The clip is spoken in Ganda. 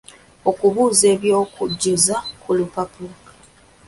Okubuuza eby’okujjuza ku lupapula.